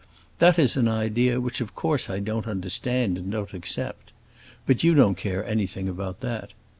That is an idea which of course I don't understand and don't accept. But you don't care anything about that.